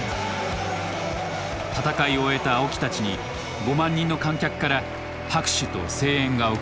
戦いを終えた青木たちに５万人の観客から拍手と声援が送られた。